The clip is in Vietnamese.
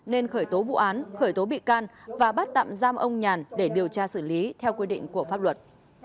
nên khởi tố vụ án khởi tố bị can và bắt tạm giam ông nhàn để điều tra xử lý theo quy định của pháp luật